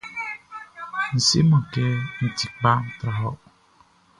N seman kɛ n ti kpa tra wɔ.